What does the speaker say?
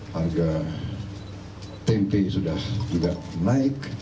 harga tempe sudah tidak naik